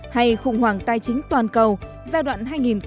hay khủng hoảng tài chính toàn cầu giai đoạn hai nghìn tám hai nghìn chín